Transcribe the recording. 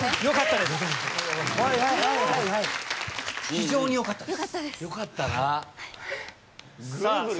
よかったなぁ。